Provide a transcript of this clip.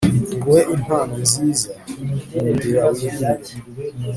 nguhe impano nziza, nkundira wirira